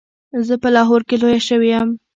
زه په لاهور کې لویه شوې یم.